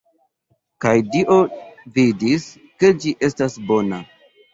Kaj Dio vidis, ke ĝi estas bona.